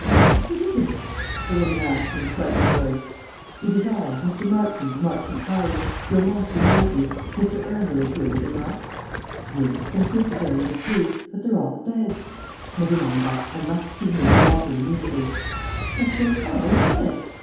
"What is it?" the woman asked, in a frightened voice. "It is I, Mr. Marchmont, of Marchmont Towers. Your master knows me. Mr. Arundel is here, is he not?" "Yes, and Mrs. Arundel too; but they're all abed." "Never mind that; I must see Major Lawford immediately." "But they're all abed."